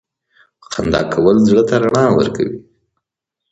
• خندا کول زړه ته رڼا ورکوي.